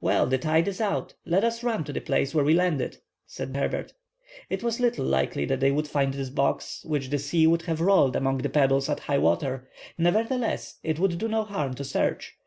"Well, the tide is out; let us run to the place where we landed," said Herbert. It was little likely that they would find this box, which the sea would have rolled among the pebbles at high water; nevertheless, it would do no harm to search.